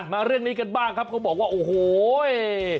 เรื่องนี้กันบ้างครับเขาบอกว่าโอ้โห